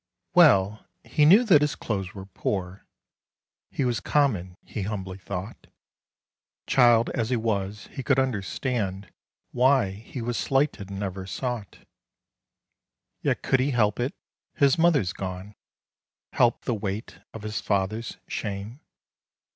WELL he knew that his clothes were poor: He was common, he humbly thought; Child as he was, he could understand Why he was slighted and never sought. Yet could he help it, his mother gone, Help the weight of his father's shame?